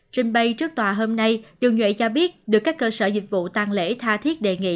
trình bay trước tòa hôm nay đường nhuệ cho biết được các cơ sở dịch vụ tăng lễ tha thiết đề nghị